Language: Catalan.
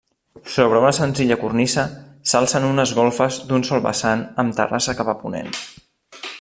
Sobre una senzilla cornisa, s'alcen unes golfes d'un sol vessant amb terrassa cap a ponent.